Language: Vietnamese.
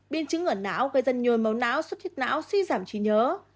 biên chứng ở não gây ra nhồi máu não suất thiết não suy giảm trí nhớ